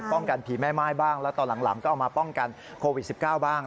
ป้องกันผีแม่ไม้บ้างแล้วตอนหลังหล่ำก็เอามาป้องกันโควิด๑๙บ้าง